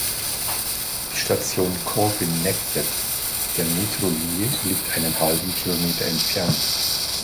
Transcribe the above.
Die Station "Corvin-negyed" der Metrolinie liegt einen halben Kilometer entfernt.